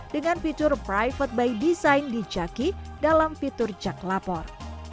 dengan fitur private by design di jaki dalam fitur jak lapor